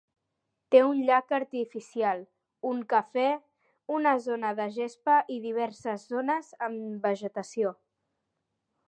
Té un llac artificial, un Cafè, una zona de gespa i diverses zones amb vegetació.